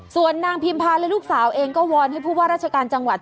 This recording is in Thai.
ส่วนนางพิมพาและลูกสาวเองก็วอนให้ผู้ว่าราชการจังหวัด